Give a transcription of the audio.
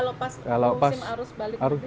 cuma kalau pas musim harus balik mudik